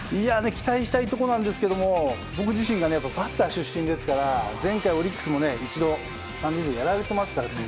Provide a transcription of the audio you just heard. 期待したいところなんですが僕自身がバッター出身ですから前回、オリックスもやられていますから。